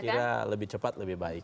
saya kira lebih cepat lebih baik